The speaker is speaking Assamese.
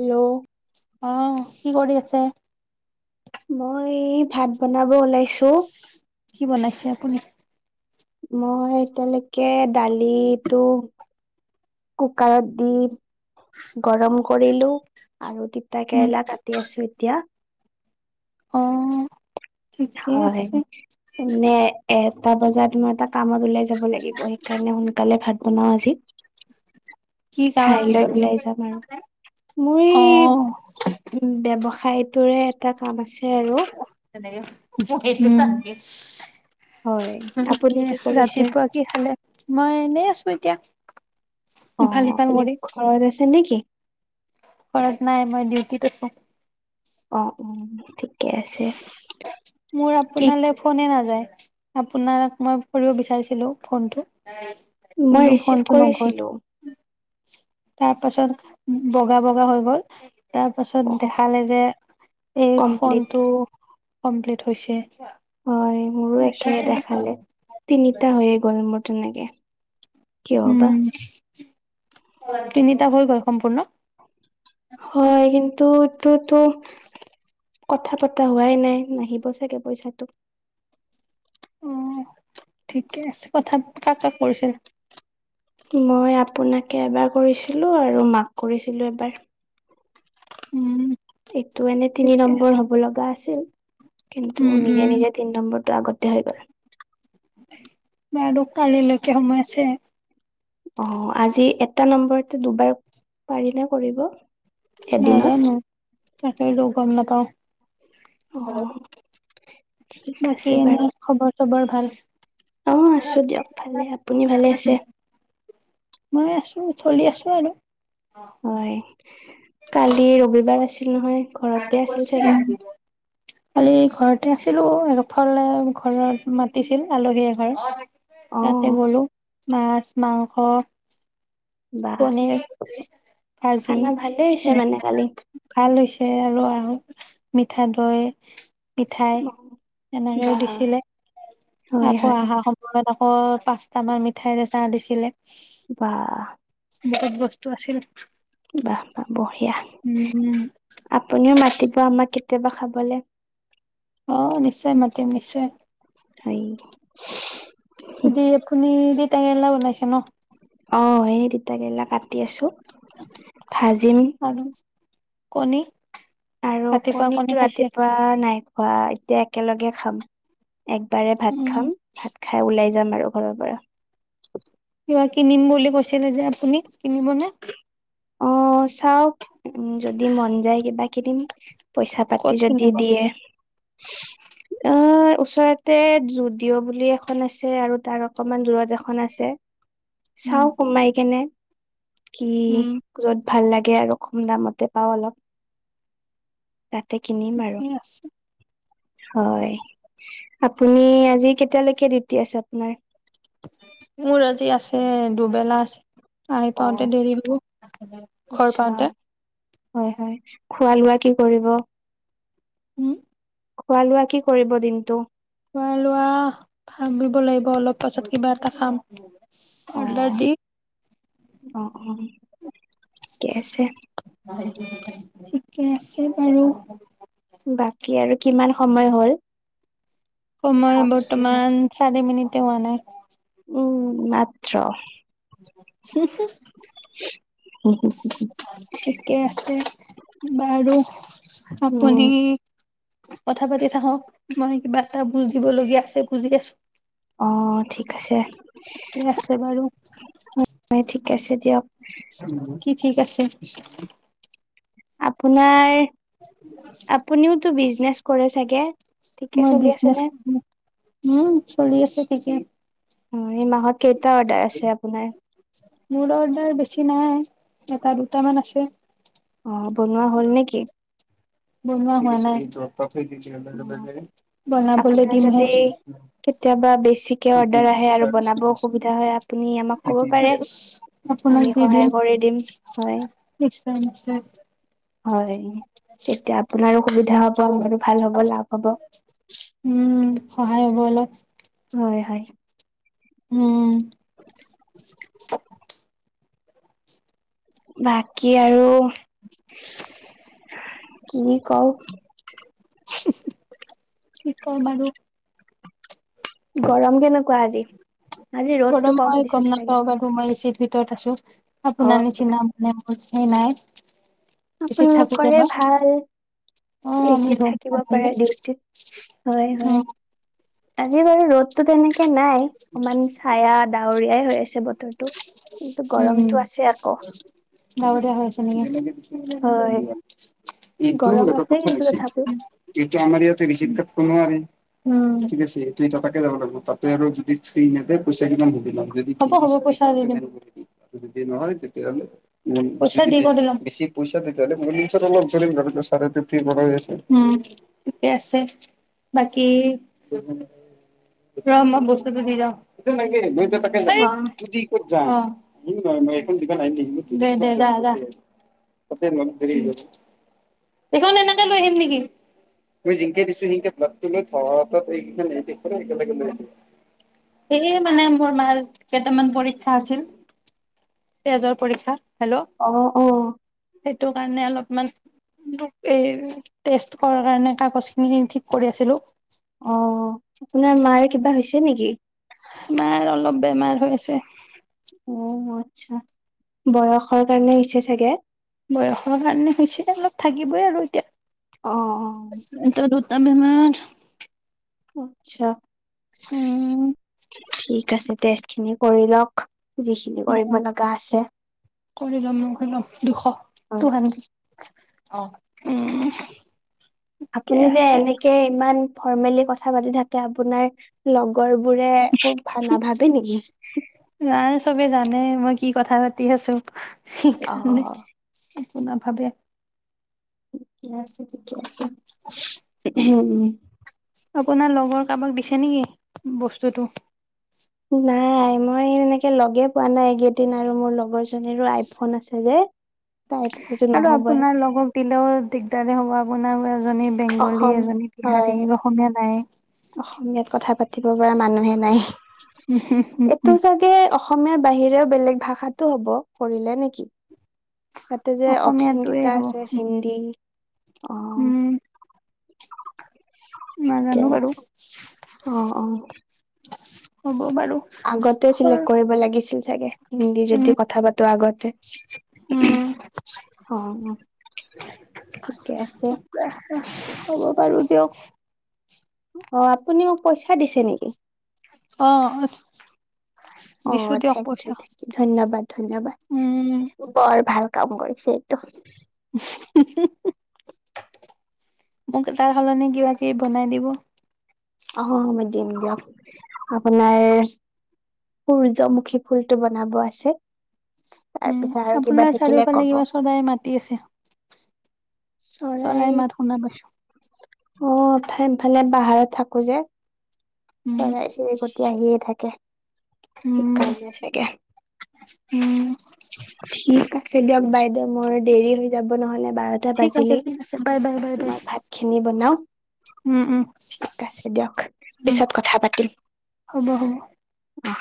হেল্ল' অহ কি কৰি আছে? মই এই ভাত বনাব ওলাইছো ছো কি বনাইছে আপুনি? মই এতিয়ালৈকে দালিতো কুকাৰত দি গৰম কৰিলো আৰু উম। তিতাকেৰেলা কাটি আছো এতিয়া অ ঠিকেই হয় আছে তেনে এটা বজাত তোমাৰ এটা কামত ওলাই যাব লাগিব সেইকাৰণে সোনকালে ভাত বনাও আজি কি কাম আছে ঠাইলৈ লাই যাম আৰু মই অ উম উ ব্যৱসায় খাইতোৰে এটা কাম আছে আৰু তেনেকে থিকে হয় আপুনি কি আছে কৰিছে ৰাতিপুৱা কি খালে মই এনেই আছো এতিয়া অ ইফাল সিফাল আপুনি ঘৰত আছে নেকি? যৰত নাই মই ডিউটিত আছো অ, অ ঠিকে আছে মোৰ কি আপোনালৈ ফোনে নাযায়। আপোনাক মই কৰিব বিচাৰিছিলো ফোনটো মই কিন্তু ৰিচিভ ফোনটো নগ'ল কৰিছিলোঁ। তাৰ পাছত বগা বগা হৈ গ'ল তাৰ পাছত অ দেখালে যে এই কমপ্লিট ফোনটো কমপ্লিট হৈছে। হয় মোৰো একে তাৰপিছত দেখালে তিনিটা হৈয়ে গ'ল মোৰ তেনেকে কিয় বা উম তাৰ হৈ গ'ল সম্পূৰ্ণ? হয়, কিন্তু এইটোতো কথা পতা হোৱাই নাই নাহিব চাগে পইচাটো অ ঠিকে আছে কথা কাক কাক কৰিছিল? মই আপোনাকে এবাৰ কৰিছিলো আৰু মাক কৰিছিলো এবাৰ। উম, এইটো এনে তিনি ঠিকে আছে। নম্বৰ হব লগা আছিল কিন্তু উম, নিজে উম। নিজে তিন নম্বৰত সেইটো আগতে হৈ গল। বাৰু কালিলৈকে সময় আছে। অ আজি এটা নম্বৰতে দুবাৰ পাৰিনে কৰিব? এদিনত নাজানো তাকেই ত গম নাপাওঁ অ অহ ঠিক আছে বাকী বাৰু এনেই খবৰ চবৰ ভাল অ আছো দিয়ক ভালে আপুনি ভালে আছে মই আছো চলি আছো আৰু হয় কালি ৰবিবাৰ আছিল নহয় ঘৰতে আজি আছিল কৈছে চাগে। আহিব কালি ঘৰতে আছিলো এফালে এঘৰত মাতিছিল আলহী এঘৰত তাতে অ' গলো মাছ মাংস। বাহ পনীৰে ভাজি খানা ভালে হৈছে এ মানে কালি। ভাল হৈছে আৰু [inaudible] আৰু মিঠা দৈ। মিঠাই এনাইয়ে বাহ দিছিলে হয় আকৌ হয় অহা সময়ত আকৌ পাঁচটামান মিঠাইৰে চাহ দিছিলে বাহ বহুত বস্তু আছিল বাহ বাহ বঢ়িয়া উম। আপুনিয়ে মাতিব আমাকে কেতিয়াবা খাবলে অ নিশ্চয় মাতিম নিশ্চয় ধাইত আজি আপুনি। টেঙ লাও বনাইছে ন অ সেই তিতাকেৰেলা কাটি আছো ভাজিম। আৰু কণী। আৰু ৰাতিপুৱা কণী কণীতো খাইছে। ৰাতিপুৱাও নাই হয় দে একেলগে খাম একবাৰে ভাত উম, খাম ভাত খাই ওলাই যাম আৰু ঘৰৰ পৰা কিবা কিনিম বুলি কৈছিলে যে আপুনি কিনিবনে? অ চাওক যদি মন যায় কিবা কিনিম পইচা পাতি ক'ত যদি কিনিব? দিয়ে। অ ওচৰতে যুদিঅ' বুলি এখন আছে আৰু তাৰ অকমান দূৰত এখন আছে। উম। চাওঁ সোমাই কেনে কি উম। যত ভাল লাগে আৰু কম দামতে পাওঁ অলপ তাতে কিনিম আৰু ঠিকে আছে, হয় আপুনি আজি কেতিয়ালৈকে ডিউটি আছে আপোনাৰ মোৰ আজি আছে দুবেলা আছে। আহি অ পাওঁতে দেৰি হ ব ঘৰ আচ্ছা পাওঁতে হয়, হয় খোৱা লোৱা কি কৰিব? উম, খোৱা লোৱা কি কৰিব দিনটো খোৱা লোৱা ভাবিব লাগিব অলপ পাছত কিবা এটা খাম অ অৰ্ডাৰ দি অ অ ঠিকে আছে। ঠিকে আছে বাৰু। বাকী আৰু কিমান সময় হ'ল? সময় চাওকচোন বৰ্তমান চাৰি মিনিট তেওঁ মানে উম মাত্ৰ। হো হোওঁ হোঁ হোঁ ঠিকে আছে। বাৰু উম আপুনি কথা পাতি থাক মই কিবা এটা বুজি লগীয়া আছে বুজি আছো অ ঠিক আছে। কি আছে বাৰু হয় ঠিক আছে দিয়ক কি ঠিক আছে। আপোনাৰ আপুনিওতটো বিজনেচ কৰে চাগে। ঠিকে মই চলি আছে বিজনেছ নে? কৰো উম চলি আছে ঠিকে। অ এই মাহত। কেইটা অৰ্ডাৰ আছে আপোনাৰ? মোৰ অৰ্ডাৰ বেছি নাই। এটা দুটামান আছে। অ' বনোৱা হ'ল নেকি? বনুৱা হোৱা নাই অ' বনাবলৈ আপোনাৰ দিমহে যদি কেতিয়াবা বেছিকে অৰ্ডাৰ আহে আৰু বনাব অসুবিধা হয় আপুনি আমাক ক'ব পাৰে। আপোনাক আমি দি দিম সহায় কৰি হয়, নিশ্চয় নিশ্চয় হয়, তেতিয়া আপোনাৰো সুবিধা হক আমাৰ ভাল হব নাই কব উম সহায় হল অ উম তত তক বাকী আৰু হে কি কওঁ উহ উহ‌ কি কৰো বাৰু গৰম কিন্তু গৰম মই দিছে গম চাগে। নাপাওঁ বাৰু মই এচীৰ ভিতৰত আছো আপোনাৰ নিচিনা মেম চেনাই আপোনাৰলোকৰে ভাল অ আমি বেছিত ধনী থাকিব মানুহ পাৰে ডিউটিত হয় উম হয় আজি বাৰু ৰ'দতো কেনে একে নাই অকমান ছায়া ডাৱৰীয়াই হৈ আছে বতৰটো কিন্তু উম গৰমতটো আছে আকৌ কি হল হয় এতিয়া এইটো গৰম এটা কথা কিন্তু আছে তথাপিও যিটো আমাৰ ইয়াতে ঋচিভ ক নোৱাৰি ঠিক আছে কিন্তু ত তাকে যাব নোৱাৰি ফ্ৰৰক যদি নিদিযেহব‌হব‌ পইচা দিব দি লম কধ ল পতি বাকী ৰ মই বস্তটো দি যাওং তোৰ না কি একেটা হেই অ কি কৰিথাকে যায অহ দে দে যায়। দেৰি হৈছে যেনেকৈ দিছো তেনেকৈ লৈ আহি নেকি এনেই মানে মোৰ মামৰ কেইটামান পৰীক্ষা আছিল তেজৰ পৰীক্ষা হেল্ল' অ অ সেইটোৰ কাৰণে অলপমান এই টেষ্ট কৰা কাৰণে কাগজ খিনি ঠিক কৰি আছিলো অ আপোনাৰ মাৰ কিবা হৈছে নেকি মাৰ অলপ বেমাৰ হৈছে অ আচ্ছা বয়সৰ কাৰণে আহিছে চাগে বয়সৰ কাৰণে হৈছে অলপ থাকিবই আৰু এতিয়া অ এ ত তামিলমাৰ আচ্ছা ঠিক আছে দে জোনে কৰি লওক যিখিনি কৰিব উ লগা আছে কৰি ল'ম ল'ম মোহি লয় দুখক অ টু কাৰণে অ উম। ঠিকে আপুনি যে আছে এনেকে ইমান। ফৰ্মেলি কথা পাতি থাকে আপোনাৰ লগৰ বোৰে খুব ভাঙ নাভাবে নেকি? নাই চবে জানে মই কি কথা পাতি আছোঁ। সেইকাণে অ', নাভাবে থিকেই আছ ঠিকে আছে উম [unintelligible] আপোনাৰ লগৰ কাৰোবাক দিছে নেকি বস্তুটো। নাই মই এনেকে লগে পোৱা নাই এইকেইদিন আৰু মোৰ লগৰ জনীৰো আইফোন আছে যে। তাই সেইটো আৰু নহবই আপোনাৰ লগক দিলেও দিগদাৰে হ'ব আপোনাৰ ৱেল এজনী বেংগলী, অসম এজনী হয় বিহাৰী, অসমীয়া নাই। অসমীয়াত কথা পাতিব পৰা মানুহে নাই। উম হম হম এইটো হম চাগে অসমীয়াৰ বাহিৰে বেলেগ ভাষাতো হ'ব, কৰিলে নেকি? তাতে যে অপচন অসমীয়াটোৱে কেইটা হ'ব আছে হিন্দী আহ উম নাজানো বাৰু আহ আহ হ'ব বাৰু আগতে চিলেক্ট কৰিব লাগিছিল। তাকে, হিন্দী উম যদি কথা পাতো আগতে উম অ অ ঠিকে আছে। হ'ব বাৰো দিয়ক। অ আপুনি মোক পইচা দিছে নেকি? অ অ দিছো দিয়ক থেংক ইউ পইচা থেংক ইউ ধন্যবাদ ধন্যবাদ উম বৰ ভাল। কাম কৰিছে এইটো মোক তাৰ সলনি কিবা কিবি বনাই দিব। অ মই দিম দিয়ক, আপোনাৰ সূৰ্যমুখী ফুলটো বনাব আছে। তাৰ উম পিছত আৰু কিবা আপোনাৰ থাকিলে চাৰিওফালে কব। কিবা চৰাই মাতি আছে। চৰাই চৰাইত মাত শুনা পাইছো। অ লফালে বাহাৰত থাকো যে উম চৰাই চিৰিকটি তি আহিয়ে থাকে স উম কাৰনে চগে উম ঠিকে দিয়ক বাইদেউ মোৰ দেৰি হৈ যাব নহ'লে বাৰটা ঠিক আছে বাজিলেই ঠিক আছে বাই বাই বাই বাই তোমাৰ ভাত খিনি বনাও উম উম ঠিক আছে দিয়ক উম পিছত কথা পাতিম হ'ব হ'ব। অ